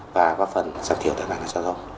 và có phần giảm thiểu tài năng giao thông